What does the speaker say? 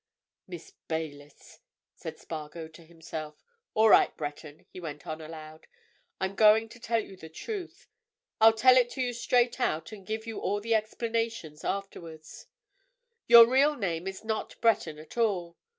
"Miss Baylis," said Spargo to himself. "All right, Breton," he went on aloud. "I'm going to tell you the truth. I'll tell it to you straight out and give you all the explanations afterwards. Your real name is not Breton at all.